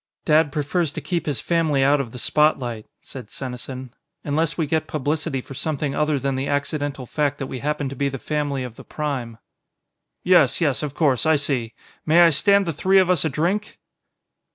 "Dad prefers to keep his family out of the spotlight," said Senesin, "unless we get publicity for something other than the accidental fact that we happen to be the family of the Prime." "Yes, yes, of course. I see. May I stand the three of us a drink?"